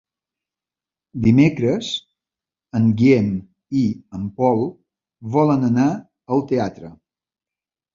Dimecres en Guillem i en Pol volen anar al teatre.